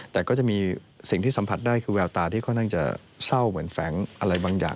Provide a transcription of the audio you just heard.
แต่ก็จะมีสิ่งที่สัมผัสได้คือแววตาที่ค่อนข้างจะเศร้าเหมือนแฝงอะไรบางอย่าง